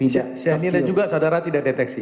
cyanida juga saudara tidak deteksi